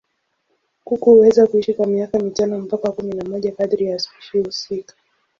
Kuku huweza kuishi kwa miaka mitano mpaka kumi na moja kadiri ya spishi husika.